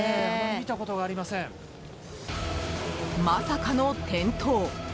まさかの転倒。